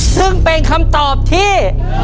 ซึ่งเป็นคำตอบที่